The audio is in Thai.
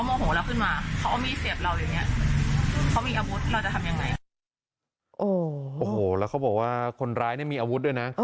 โอ้โหแล้วเขาบอกว่าคนร้ายเนี่ยมีอาวุธด้วยนะ